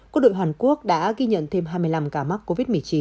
quân đội hàn quốc đã ghi nhận thêm hai mươi năm ca mắc covid một mươi chín